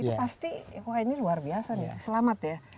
itu pasti wah ini luar biasa nih selamat ya